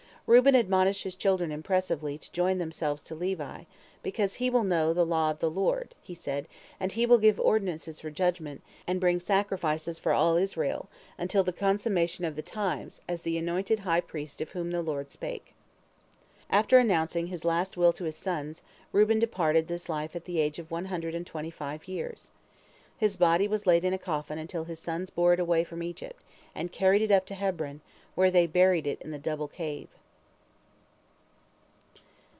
Reuben admonished his children impressively to join themselves to Levi, "because he will know the law of the Lord," he said, "and he will give ordinances for judgment, and bring sacrifices for all Israel, until the consummation of the times, as the anointed high priest of whom the Lord spake." After announcing his last will to his sons, Reuben departed this life at the age of one hundred and twenty five years. His body was laid in a coffin until his sons bore it away from Egypt, and carried it up to Hebron, where they buried it in the Double Cave.